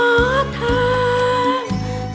ไม่ใช้ค่ะ